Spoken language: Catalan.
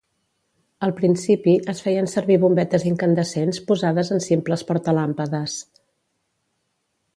Al principi, es feien servir bombetes incandescents posades en simples portalàmpades.